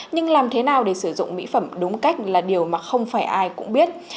nhưng làm thế nào để sử dụng mỹ phẩm đúng cách là điều mà không phải ai cũng biết